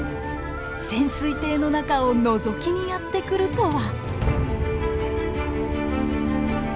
潜水艇の中をのぞきにやって来るとは。